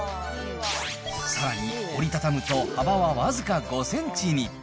さらに折り畳むと幅は僅か５センチに。